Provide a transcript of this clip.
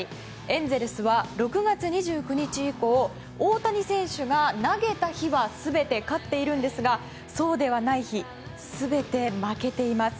エンゼルスは６月２９日以降大谷選手が投げた日は全て勝っているんですがそうではない日全て負けています。